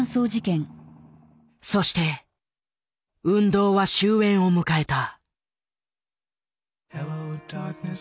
そして運動は終焉を迎えた。